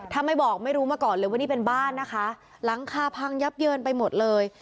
ถ้าไม่บอกไม่รู้มาก่อนเลยว่านี่เป็นบ้านนะคะหลังคาพังยับเยินไปหมดเลย